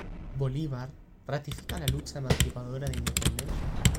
Bolívar ratifica la lucha emancipadora de independencia.